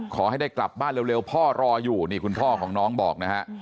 ขอให้ได้กลับบ้านเร็วพ่อรออยู่นี่คุณพ่อของน้องบอกนะฮะ